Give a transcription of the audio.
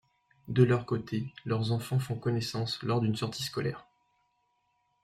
De leur côté, leurs enfants font connaissance lors d'une sortie scolaire.